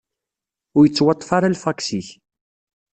Ur yettwaṭṭef ara lfaks-ik.